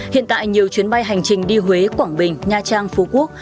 hiện tại nhiều chuyến bay hành trình đi huế quảng bình nha trang phú quốc